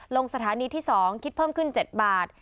ลงสถานีที่๒คิดเพิ่มขึ้น๗บาท